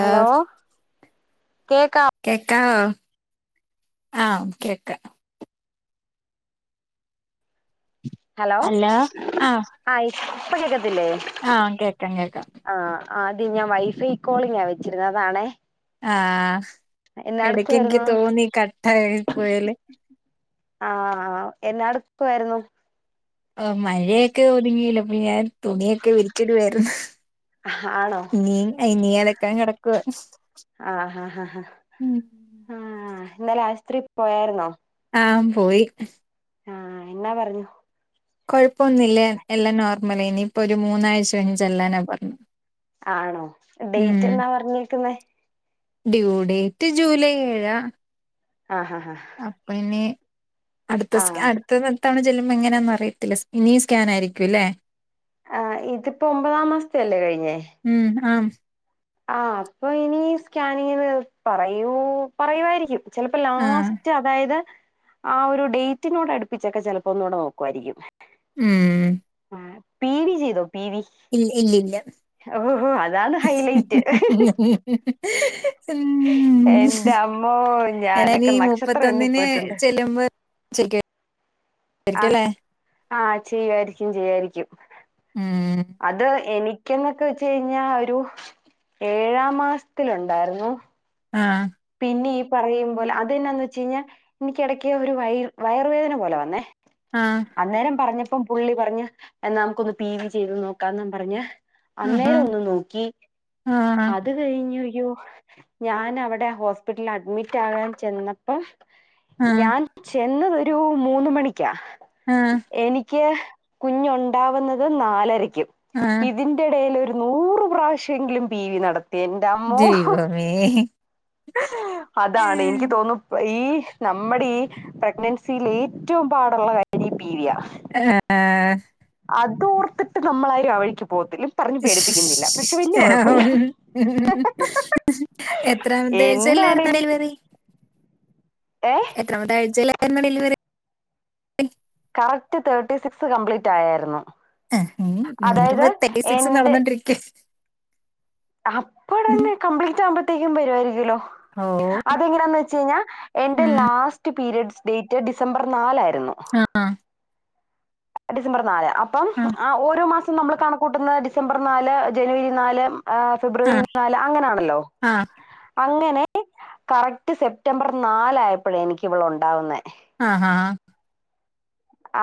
Hello കേക്കാം കേക്കാവൊ ആഹ് കേക്കാ ഹലോ ആഹ് ഇപ്പ കേക്കത്തില്ലേ? ആഹ് കേക്കാം കേക്കാം ആഹ് ആദ്യം ഞാൻ വൈ ഫൈ കോളിങ്ങാ വിളിച്ചിരുന്നതാണേ ആഹ് എടക്ക് എൻക്ക് എടുക്കുവായിരുന്നു തോന്നി കട്ടായി പോയല് ആഹ്, എന്നാ എട്ക്ക് വാര്ന്നു. ആഹ്, മഴയൊക്കെ ഒത്ങ്ങിയില്ലൊ ഇപ്പഞാൻ തുണിയൊക്കെ വിരിച്ചിടുവാര്ന്ന്. ആണോ ഇനി ആഹ്, ഇനി അലക്കാൻ കെടക്കുവാ. ആഹ് ആഹ് ആഹ് ആഹ് ആഹ് ഇന്നലെ ആശുത്രി പോയാര്ന്നോ? ആഹ് പോയി. ആഹ് എന്നാ പറഞ്ഞു. കൊഴപ്പൊന്നുല്ല്യ, എല്ലാം നോർമലേനി ഇപ്പൊ ഒരു മൂന്നാഴ്ച കഴിഞ്ഞ് ചെല്ലാനാ പറഞ്ഞ് ആണോ, ഡേയ്റ്റ് എന്നാ പറഞ്ഞെക്ക്ന്നേ ഡ്യൂ ഡേയ്റ്റ് ജൂലൈ ഏഴാ. ആഹ്, ഹാഹ്, ഹാഹ് അപ്പ ഇനി അട്ത്താ സ്ക അട് ത്ത [unintelligible] ചെല്ല്മ്പോ എങ്ങനാന്ന് അറിയത്തില്ലാ ഇനിയും സ്കാൻ ആരിക്കും അല്ലേ? ആഹ്, ഇത്പ്പോ ഒമ്പതാം മാസ്ത്തെ അല്ലേ കഴിഞ്ഞേ ഉം, ആഹ് ആഹ്, അപ്പൊ ഇനി സ്കാനിങ്ങിന് പറയൂ പറയുവാരിക്കും. ചെലപ്പം ആഹ് ലാസ്റ്റ് അതായത് ആഹ് ഒരു ഡേയ്റ്റിനോട് അട്പ്പിച്ചൊക്കെ ചെലപ്പോ ഒന്നൂടെ നോക്കു ആരിക്കും. ഉം. ആഹ്, പി. വി ചെയ്തോ പി. വി ഇല് ഇല്ലില്ലാ ഓഹോ അതാണ് ഹൈലൈറ്റ് മ് എന്റെ അമ്മോ എടാ ഇനി ഞാനൊക്കെ നക്ഷത്രം എണ്ണി മുപ്പത്തൊന്ന്ന് പോയിട്ടുണ്ട് ചെല്ലുമ്പം ചെക്കെയ് അഹ്, ആഹ് ചെയ്യുവാരിക്കും ചെയ്യാരിക്കും. ഉം അത് എനിക്കെന്ന് ഒക്കെ വെച്ച് കഴിഞ്ഞാ ഒരു ഏഴാം മാസ്ത്തിലൊണ്ടാര്ന്നു. ആഹ് പിന്നെ ഈ പറയുമ്പോലെ അത് എന്നാന്ന് വെച്ച് കയിഞ്ഞാ എനിക്ക് എടയ്ക്ക് ഒര് വയ് വയറ് വേദന പോലെ വന്നേ ആഹ് അന്നേരം പറഞ്ഞപ്പം പുള്ളി പറഞ്ഞ് എന്നാ നമുക്കൊന്ന് പി. വി ചെയ്ത് നോക്കാന്നും പറഞ്ഞ് ആഹാ. അന്നേരം ഒന്ന് നോക്കി. ആഹ്. അത് കഴിഞ്ഞ് അയ്യോ ഞാൻ അവടെ ഹോസ്പിറ്റൽ അഡ്മിറ്റ് ആകാൻ ചെന്നപ്പം ആഹ്. ഞാൻ ചെന്നതൊരു മൂന്ന് മണിക്ക്യാ, ആഹ്. എനിയ്ക്ക് കുഞ്ഞ് ഒണ്ടാവ്ന്നത് നാലരയ്ക്കും, ആഹ്. ഇതിന്റെടേല് ഒരു നൂറ് പ്രാവശ്യം എങ്കിലും പി. വി നടത്തിയെൻ ദൈവമേ അതാണ് എനിക്ക് തോന്നു ഈ നമ്മടെ ഈ പ്രഗ്നൻസില് ഏറ്റോം പാടൊള്ള കാര്യം ഈ പീ. വി യാ ആഹ് അതോർത്തിട്ട് നമ്മളാരും ആവഴിക്ക് പോകത്തില്ല. പറഞ്ഞു പേടിപ്പിക്കുന്നില്ല. പക്ഷെ വല്യ കൊഴപ്പവില്ല. എത്രാമത്തെ ആഴ്ചയിലായിരുന്നു എന്താണേല് ഡെലിവറി? ഏഹ് എത്രാമത്തെ ആഴ്ചയിലാര്ന്നു delivery correct thirty six complete ആയാര്ന്നു. ആഹ് ഇനി ഇരുപ ട്വന്റി സിക്സ് എന്റെ നടന്നോണ്ടിരിക്ക അപ്പടന്നെ കംപ്ലീറ്റ് ആകുമ്പോഴത്തേക്കും വരുമായിരിക്കല്ലോ ഓ അതെങ്ങനാന്ന് വെച്ച് കഴിഞ്ഞാ എന്റെ ഉം. ലാസ്റ്റ് പീരിയഡ്സ് ഡേറ്റ് ഡിസംബർ നാലാരുന്നു ആഹ്. ഡിസംബർ നാല് അപ്പം ആഹ് ആ ഓരോ മാസം നമ്മൾ കണക്കൂട്ടുന്ന ഡി സംബർ നാല് ജനുവരി നാല് ഫെബ്രുവരി ആഹ് നാല് അങ്ങനാണല്ലോ ആഹ് അങ്ങനെ കറക്റ്റ് സെപ്റ്റംബർ നാലയപ്പോഴേ എനിക്ക് ഇവളൊണ്ടാവുന്നെ ആഹ് ഹ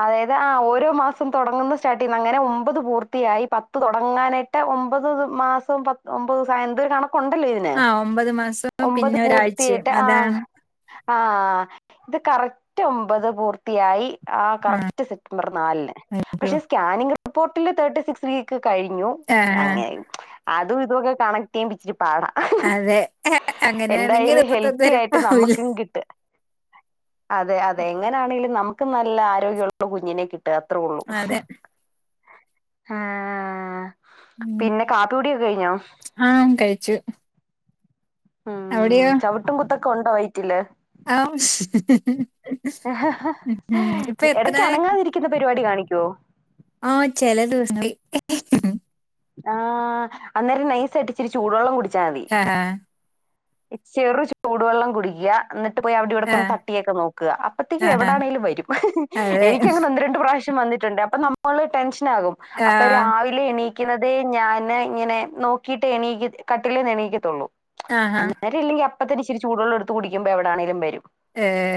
അതായത് ആ ഓരോ മാസം തുടങ്ങുന്ന സ്റ്റാർട്ട് ചെയ്യുന്ന അങ്ങനെ ഒമ്പത് പൂർത്തിയായി പത്ത് തുടങ്ങാനായി പ്പം ഒമ്പത് മാസം പ ഒമ്പത് ദിവസം എന്തൊരു കണ കൊണ്ടല്ലോ ഇതിന് ആഹ് ഒമ്പത് മാസവും ഒമ്പത് പിന്നെ ഒരാഴ്ചയും പൂർത്തിയട്ട് ആ അതാണ് ആഹ് ഇത് കറക്റ്റ് ഒമ്പത് പൂർത്തിയായി ആ ആഹ് കറക്റ്റ് സെപ്റ്റംബർ നാലിന് അയ്യോ പക്ഷെ സ്കാനിങ് റിപ്പോർട്ടില് തേർട്ടി സിക്സ് വീക്ക് കഴിഞ്ഞു ആഹ് അങ്ങനെ അതും ഇതൊക്കെ കണക്ട് ചെയ്യുപിച്ചിരി പാടാ അതെ അങ്ങനെയാണെങ്കി എന്തായാലും മുപ്പത്തൊന്ന് ഹെൽത്തി വരെ ആയിട്ട് പോവില്ല നമ്മുക്കും കിട്ട് അതെ അതെ എങ്ങനെയാണെങ്കിലും നമുക്ക് നല്ല ആരോഗ്യമുള്ള കുഞ്ഞിനെ കി ട്ടുക അത്രേ ഉള്ളൂ അതെ ആഹ് ഉം പിന്നെ കാപ്പൂടിയൊക്കെ കഴിഞ്ഞോ ആഹ് കഴിച്ചു ആഹ് അവിടെയോ ചവിട്ടും കുത്തൊക്കെ ഉണ്ടോ വയറ്റില് ആഹ് ഉം ഇപ്പൊ എടക്ക് എത്രായി അനങ്ങാതിരിക്കുന്ന പരിപാടി കാണിക്കുവോ ആഹ് ചെല ദിവസങ്ങളി ആ അന്നേരം നൈസ് ആയിട്ടിച്ചിരി ചൂടുവെള്ളം കുടിച്ചാ മതി ഹ ഹ ചെറു ചൂടുവെള്ളം കുടിക്കുക എന്നിട്ട് പോയി അവിടെ ഇവിടക്കൊന്ന് ആഹ് തട്ടിയൊക്കെ നോക്കുക അപ്പഴത്തേക്കും ആഹാ എവിടാണെലും വരും അതെ എനിക്കങ്ങന ഒന്ന് രണ്ട് പ്രാവശ്യം വന്നിട്ടുണ്ട് അപ്പൊ നമ്മള് ടെൻഷൻ ആകും അപ്പൊ ആഹ് രാവിലെ എണീ ക്കുന്നതേ ഞാന് ഇങ്ങനെ നോക്കീട്ടെ എണീക്ക കട്ടിലേന്ന് എണീക്കത്തുള്ളൂ ആഹാ ഇല്ലെങ്കി അപ്പ തന്ന ഇച്ചിരി ചൂടുവെള്ളടുത്ത് കുടുക്കുമ്പോ എവിാണെലും വരും ഏ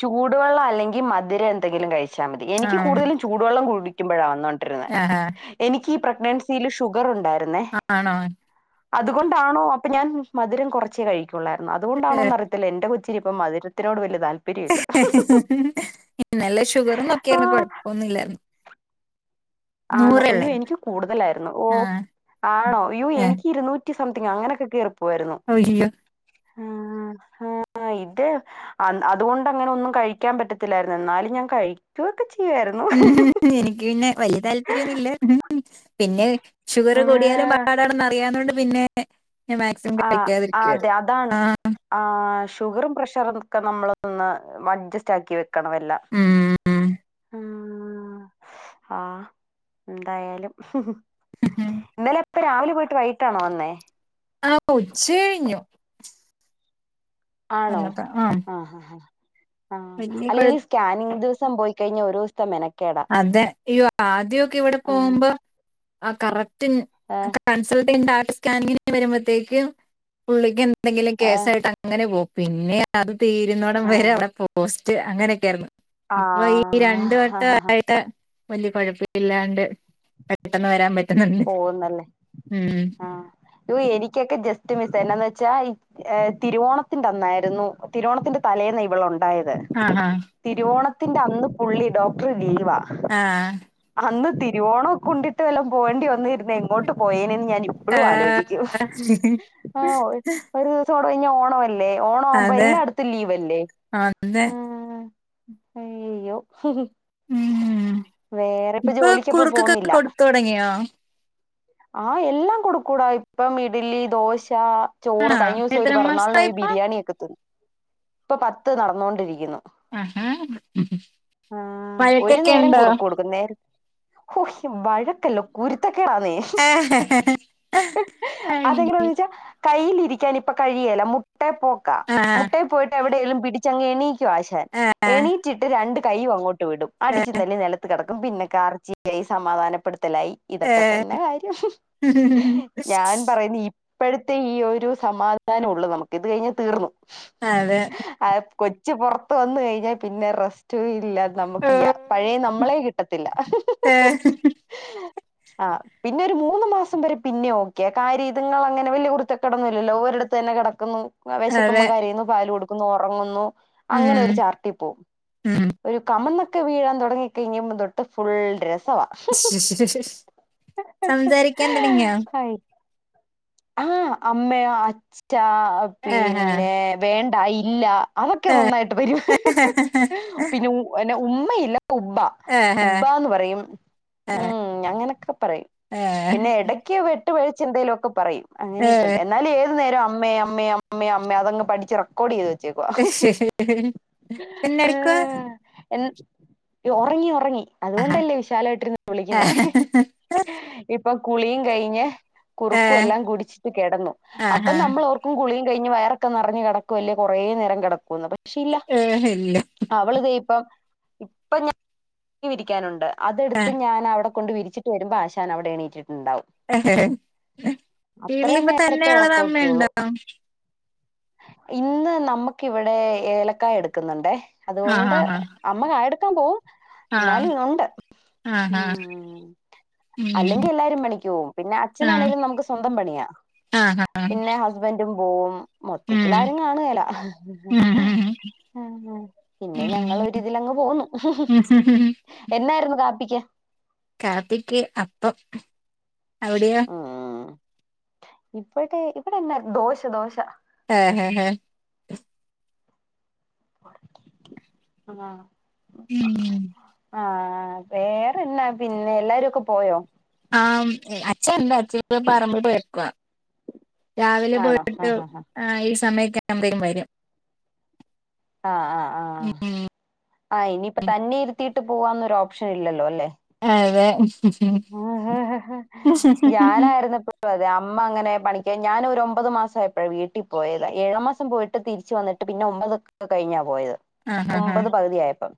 ചൂടുവെള്ളം അല്ലെങ്കിൽ മധുരം എന്തെങ്കിലും കഴിച്ചാൽ മതി എനിക്ക് ആഹ് കൂടുതലും ചൂടുവെള്ളം കുടിക്കുമ്പോഴാ വന്നോണ്ടിരുന്നേ ആഹാ എനിക്ക് ഈ പ്രഗ്നൻസില് ഷുഗറ് ഉണ്ടായിരുന്നേ ആഹ ആണോ അതുകൊണ്ടാണോ അപ്പൊ ഞാൻ മധുരം കുറച്ചേ കഴിക്കുള്ളായിരുന്നു അതുകൊണ്ടാണോന്ന് അറിയ ത്തില്ല എന്റെ കൊച്ചിനിപ്പം മധുരത്തിനോട്‌ വലിയ താൽ ഇന്നലെ ഷുഗറ് ആ നോക്കിയാരുന്നു കൊഴപ്പൊന്നുല്ലാരുന്നു ആണോ അയ്യോ എനിക്ക് കൂടുതലായിരുന്നു ഓ ആഹ് ആണോ അയ്യോ ഏഹ് എനിക്ക് ഇരുന്നൂ റ്റി സംതിങ് അങ്ങനൊക്കെ കേറി പോവാരുന്നു അയ്യോ ആഹ് ഇത് അതുകൊണ്ട് അങ്ങനെ ഒന്നും കഴിക്കാൻ പറ്റത്തില്ലാരുന്നു എന്നാലും ഞാൻ കഴിക്കുവൊക്കെ ചെയ്യായിരുന്നു ഉം എനിക്ക് പിന്നെ വല്യ താല്പര്യോന്നുല്ല പിന്നെ ഷുഗറ് കൂടിയാലും പാടാണെന്ന് അറിയാന്നോണ്ട് പിന്നെ ഞാൻ മാക്സിമം കഴിക്കാതെ ഇരിക്കുവായിരുന്നു ആഹ് ആഹ് ഷുഗറും പ്രഷറും ഒക്കെ നമ്മളൊന്ന് അഡ്ജസ്റ്റ് ആക്കി വെക്ക വെക്കണവെല്ലാം ഉം ആഹ് ആഹ് എന്തായാലും ഇന്നലെ എപ്പ രാവിലെ പോയിട്ട് വൈ കിട്ടണോ വന്നെ? ആഹ് ഉച്ച കഴിഞ്ഞു ആണോ? വന്നപ്പോ ആ ആഹ് ആഹ് വലിയ അല്ല കുഴ ഈ സ്കാനിങ് ദിവസം പോയി കഴിഞ്ഞാ ഒരു ദിവസത്തെ മെനക്ക അതെ അയ്യോ ആദ്യവൊക്കെ ഇവിടെ ആ പോവുമ്പോ ആ കറക്റ്റ് ഏ [unintelligible] സ്കാനിംഗ് വരുമ്പോഴത്തേക്കും പുള്ളിക്ക് എന്തെങ്കിലും ഏ കേസായിട്ട് അങ്ങനെ അങ്ങനെ പോവും പിന്നെ അത് തീരുന്നോടം ആ വരെ അവിടെ പോസ്റ്റ് അങ്ങനെക്കെ ആയിരുന്നു ആ ഇപ്പൊ ഈ രണ്ട് വട്ടം ആ ആയിട്ട് വല്ല്യയ കൊഴപ്പയില്ലാണ്ട് പെട്ടെന്ന് വരാൻ പറ്റുന്നുണ്ട് ഉം ഓഹ് എനിക്കൊക്കെ ജസ്റ്റ് മിസ്സ്‌ എന്നാന്ന് വെച്ചാ ഏഹ് തിരുവോണത്തിന്റെ അന്നായിരുന്നു തിരുവോണത്തിന്റെ തലേന്ന് ഇവളുണ്ടാ ണ്ടായത് ആഹാ തിരുവോണത്തിന്റെ അന്ന് പുള്ളി ഡോക്റ്റർ ലീവ ആഹ് അന്ന് തിരുവോണക്കെ ഉണ്ടിട്ട് വല്ലോം പോവണ്ടി വന്നിരുന്നെ എങ്ങോട്ട് പോയേനെന്ന് ഞാൻ ഇപ്പൊ ആ. ഇപ്പളും ആലോചിക്കും ആഹ് ഒരു [unintelligible] കഴിഞ്ഞ ഓണവല്ലേ ഓണം ആവുമ്പോ അതെ എല്ലായിടത്തും ലീവ് അല്ലേ? അതെ ഉം അയ്യോ ഉം. വേറെ ഇപ്പൊ ജോലിക്കിപ്പൊ പോവ്ന്നില്ല തൊടങ്ങിയോ? ആഹ് എല്ലാം കൊടുക്കൂവെടാ ഇപ്പം ഇഡ്ലി, ദോശ ചോറ് കഴിഞ ദിവസം ഒരു എത്ര പിറന്നാളിന് പോയി മാസമായിപ്പോ ബിരിയാണിയക്കെ തിന്നു ഇപ്പൊ പത്ത് നടന്നു കൊണ്ടിരിക്കുന്നു ആഹാ ആഹ് ഒരു വഴക്കൊക്കെ നേരം ഉണ്ടോ കുറുക്ക് കൊടുക്കുന്നെ നേര ഓഹ് വഴക്കല്ല കുരുത്തക്കേടാന്നെ ആ അത് എങ്ങനാന്ന് വെച്ചാ കയിലിരിക്കാൻ ഇപ്പ കഴിയേല്ല മു മുട്ടെ പോക്ക ആ മുട്ടെയിൽ പോയിട്ട് എവിടേലും പിടിച്ചങ്ങ് എണീക്കുവാശാൻ എണീ റ്റിട്ട് രണ്ട് കൈയും അങ്ങോട്ട് വിടും അടിച്ച് തല്ലി നിലത്ത് കിടക്കും പിന്നെ കാരച്ചിലായി സമാധാനപ്പെടുത്ത ലായി ഇതൊക്കെ തന്നെ കാര്യം ഞാൻ ഏ പറയുന്ന ഈ ഇപ്പഴത്തെ ഈ ഒരു സമാധാനം ഒള്ളു നമക്ക് ഇത് കഴിഞ്ഞ തീർന്നു അതെ ആ കൊച്ചു റപുറത്ത് വന്ന് കഴിഞ്ഞാ പിന്നെ റസ്റ്റുവില്ലാ ഏ നമുക്കിയ്യ പഴേ നമ്മളെ കിട്ടത്തില്ല ആഹ് പിന്നെ ഒരു മൂന്ന് മാസം വരെ പിന്നെ ഓക്കെ കാര്യം ഇത്ങ്ങള് അങ്ങനെ വലിയ കുരുത്ത കേടൊന്നും ഇല്ലല്ലോ ഓരിടത്ത് തന്നെ കെടക്കുന്നു വെശക്കുമ്പോ അതെ കരയുന്നു പാല് കൊടുക്കുന്നു ഒറങ്ങുന്നു അങ്ങനെ ഉം ഒരു ചാർട്ടി പോവും ഉം ഒരു കമന്ന് വീഴാൻ തൊടങ്ങി കഴിഞ്ഞപ്പൊ തൊട്ട് ഫുൾ രസവാ സംസാരിക്കാൻ തൊടങ്ങിയോ? ആയി ആഹ് അമ്മയോ, അച്ചാ, ആഹാ പിന്നെ വേണ്ട ഇല്ല അതൊക്കെ നന്നായിട്ട് വരും ആഹാ പിന്നെ ഉമ്മയില്ല ഉംമ്പ ആഹാ ഉബ്ബാന്ന് പറയും ആ ഉം അങ്ങനൊക്കെ പറയും ആ പിന്നെ എടക്ക് വ വഴിച്ച് എന്തേലൊക്കെ പറയും ആ അങ്ങനെയൊക്കെ ഉണ്ട് എന്നാലും ഏത് നേരവും അമ്മേ അമ്മേ അമ്മേ അമ്മേ അതങ്ങ് പഠിച്ച് റെക്കോഡ് ചെയ്തു വെ ച്ചേക്കുവ പിന്നെ എടുക്കുവാ ആഹ് എഹ് ഉറങ്ങി ഉറങ്ങി ആഹാ അതുകൊണ്ടല്ലേ വിശാലായിട്ടിരിന്ന് ആ വിളിക്കുന്നേ ഇപ്പൊ കുളിയും കഴിഞ്ഞ് കുറുക്കും എല്ലാം കുടിച്ചിട്ട് കിടന്നു അപ്പൊ ആഹാ നമ്മൾ ഓർക്ക കുളിയും കഴിഞ്ഞ് വയറൊക്കെ നിറഞ്ഞ് കിടക്കല്ലേ കുറേ നേരം കിടക്കന്ന് ഏഹ് എല്ല അവളിതപ്പം ഇപ്പം [unintelligible] വിരിക്കാനുണ്ട് ആ അതെടുത്ത് ഞാൻ അവിടെ കൊണ്ട് വിരിച്ചിട്ട വരുമ്പോ ആശാനവിടെ എണീറ്റിട്ടുണ്ടാവും. അത്രയും വീട്ടിലിപ്പ നേരത്തെ തന്നെയള്ളത്, ഉറക്കമൊക്കെയുള്ളൂ അമ്മയുണ്ടോ? ഇന്ന് നമ്മുക്കിവിടെ ഏലക്കായ എടുക്കുന്നുണ്ടേ ആഹ് അതുകൊണ്ട് ആഹ് അമ്മ കായ എടുക്കാൻ പോകും. ആഹ് ന്നാലും ഇന്ന ഉണ്ട്. ആഹ് ആഹ് ഉം. ഉം അല്ലെങ്കി എല്ലാരും പണിക്ക് പോവും പിന്നെ ആഹ് അച്ഛനാണെങ്കി നമുക്ക് സ്വന്തം പണിയാ ആഹ് പിന്നെ ഹസ്ബൻറും പോവും മൊത്തത്തിൽ ഉം ആരും കാണുകേല ഉം ആഹ് പിന്നെ ഞങ്ങളൊരിതിലങ്ങ് പോന്നു. ഉം. എന്നാരുന്നു കാപ്പിക്ക്? കാപ്പിക്ക് അപ്പം, അവിടെയോ? ഉം. ഇവിടെ ഇവിടെന്നാർന്ന് ദോശ ദോശ ആഹ് ഹഹ ഹഹ. ആഹ് ഇലെങ്കില ആഹ് വേറെന്നാ പിന്നെ എല്ലാരൊക്കെ പോയോ? ആഹ് അച്ചണ്ട് അച്ഛപ്പ പറമ്പി പോയേക്കുവാ. രാവിലെ ആണോ ആഹ് പോയിട്ടിണ്ടാവും ആഹ് ഈ സമയക്കെ ആവുമ്പേ വരും. ആഹ് ആഹ് ആഹ് ഉം ആഹ് ഇനിയിപ്പ തന്നെ ഇരുത്തിയിട്ട് പോവാന്നൊരു ഓപ്ഷൻ ഇല്ലല്ലോ അല്ലെ? അതെ. ഞാനായിരുന്നപ്പ അതെ അമ്മ അങ്ങനെ പണിക്ക് ഞാനൊരൊമ്പത് മാസാപ്പോഴെ വീട്ടിൽ പോയത് ഏഴാം മാസം പോയിട്ട് തിരിച്ചു വന്നിട്ട് പിന്നെ ഒമ്പത്ക്ക കഴിഞ്ഞാ പോയത് ആഹ് ആഹ് ഒമ്പത് പകുതിയായപ്പ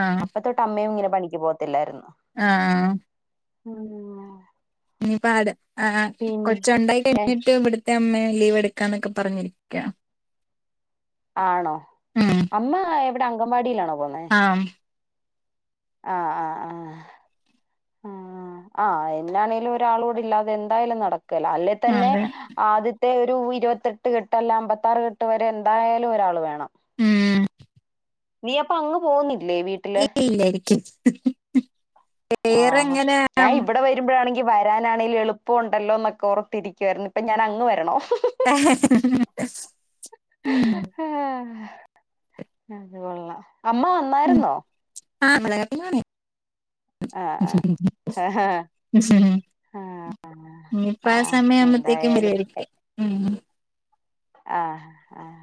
ആഹ് അപ്പ തൊ അമ്മയും ഇങ്ങനെ പണിക്ക് പോകത്തില്ലായിരുന്നു. ആഹ്. ഉം. ഇനിയിപ്പ അടുത്ത് ആഹ് പിൻ കൊച്ചുണ്ടായി ഏ കഴിഞ്ഞിട്ട് ഇവിട അമ്മെ ലീവ് എടുക്കാനൊക്കെ പറഞ്ഞിരിക്ക. ആണോ, ഉം അമ്മ ഇവിടെ അങ്കൻവാടിലാണോ പോന്നേ. ആഹ്. ആഹ് ആഹ് ആഹ്. ആഹ് ആഹ് എന്നാണേലും ഒരാള് കൂടില്ലാതെ എന്തായാലും നടക്കൂല്ല അല്ലെ തന്നെ അതെ ആദ്യ മറ്റേ ഒരു ഇരുപത്തെട്ട് കെട്ട് അല്ല അമ്പത്താറ് കെട്ട് വരെ എന്തായാലും ഒരാള് വേണം. ഉം. നീയപ്പൊ അങ്ങ് പോകുന്നില്ലേ വീട്ടിൽ ഏയ് ഇല്ലായിരിക്കും വേറെങ്ങനെ ഇപ്പളാണെങ്കി വരാനാണേ ലെളുപ്പണല്ലോ എന്നോർത്തിരിക്കുവാ ഇപ്പൊ ഞാൻ അങ് വരണോ? ആഹ് ഹാ. ഹാ. അതുകൊള്ളാം അമ്മ വന്ന ഉം വരുന്നോ. ആഹ് [unintelligible] ആഹ് [unintelligible] ആഹ് ഉം. ഇനിപ്പോ ആ ആഹ് സമയാവുമ്പത്തേക്കും എന്തായാലും വരുവായിരിക്കും. ഉം. ആഹ്. ആഹ്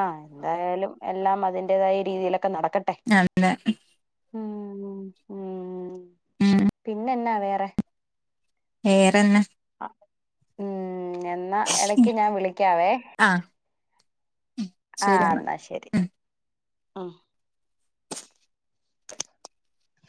ആഹ് എന്തായാലും എല്ലാം അതിന്റെതായ രീതിയിലൊക്കെ നടക്കട്ടെ. അല്ലേ ഉം ആഹ്. പിന്നെ എന്നാ വേറെ? വേറെന്നാ. ഉം. എന്നാ എടക്ക് ഞാൻ വിളിക്കാവേ. ആഹ്. ആഹ് എന്നാ ശരി. ഉം